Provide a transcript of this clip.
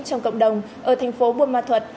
trong cộng đồng ở thành phố buôn ma thuột